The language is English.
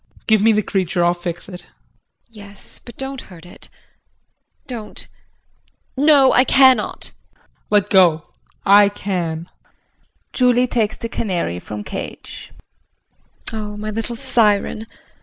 JEAN. Give me the creature. I'll fix it. JULIE. Yes, but don't hurt it. Don't no, I cannot. JEAN. Let go. I can. JULIE [Takes the canary from cage]. Oh, my little siren.